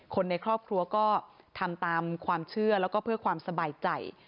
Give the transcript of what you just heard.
คนในครอบครัวก็ทำตามความเชื่อแล้วก็เพื่อความสบายใจ